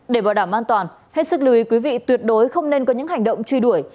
để bảo đảm an toàn hết sức lưu ý quý vị tuyệt đối không nên có những hành động truy đuổi